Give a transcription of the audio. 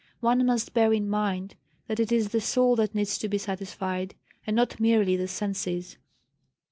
One must bear in mind that it is the soul that needs to be satisfied, and not merely the senses."